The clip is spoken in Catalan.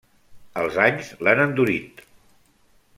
Els anys l'han endurit.